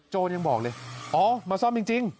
ยังบอกเลยอ๋อมาซ่อมจริง